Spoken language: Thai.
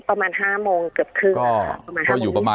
ประมาณ๕โมงเกือบครึ่ง